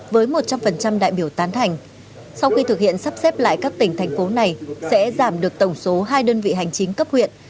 với một trăm linh đại biểu tán thành sau khi thực hiện sắp xếp lại các tỉnh thành phố này sẽ giảm được tổng số hai đơn vị hành chính cấp huyện